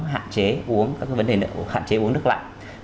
hạn chế uống các vấn đề hạn chế uống nước lạnh